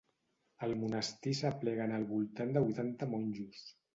Al monestir s'apleguen al voltant de vuitanta monjos.